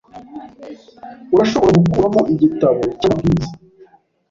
Urashobora gukuramo igitabo cyamabwiriza